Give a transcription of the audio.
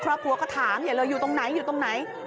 ครอบครัวก็ถามอย่าเลยอยู่ตรงไหนอยู่ตรงไหน